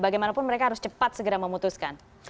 bagaimanapun mereka harus cepat segera memutuskan